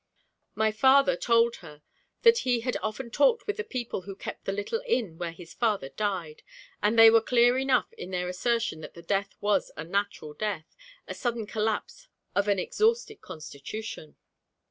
My father told her that he had often talked with the people who kept the little inn where his father died, and they were clear enough in their assertion that the death was a natural death the sudden collapse of an exhausted constitution.'